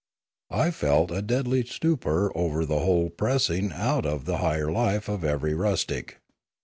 I felt a deadly stupor over the whole pressing out the higher life of every rustic.